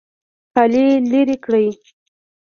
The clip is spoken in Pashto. کالي لرې کړئ